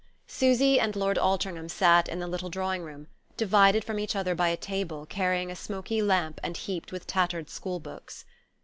SUSY and Lord Altringham sat in the little drawing room, divided from each other by a table carrying a smoky lamp and heaped with tattered school books.